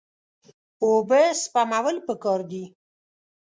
اوبه سپمول پکار دي.